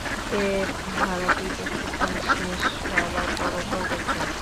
এ ধারাটি প্রশিক্ষণ শেষ হবার পরও প্রযোজ্য।